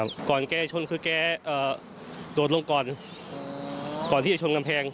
ก่อนแกชนคือแกเอ่อโดดลงก่อนก่อนที่จะชนกำแพง